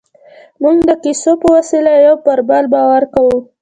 موږ د کیسو په وسیله پر یوه بل باور کوو.